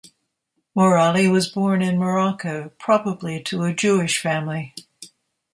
Morali was born in Morocco, probably to a Jewish family.